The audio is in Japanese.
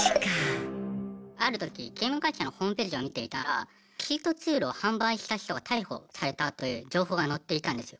ある時ゲーム会社のホームページを見ていたらチートツールを販売した人が逮捕されたという情報が載っていたんですよ。